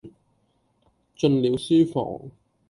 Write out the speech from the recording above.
進了書房，